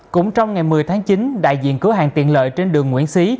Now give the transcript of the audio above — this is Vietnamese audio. cũng trong ngày một mươi tháng chín đại diện cửa hàng tiện lợi trên đường nguyễn xí